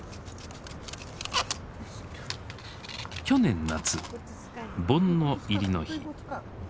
去年夏盆の入りの日。